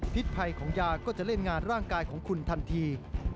ภัยของยาก็จะเล่นงานร่างกายของคุณทันที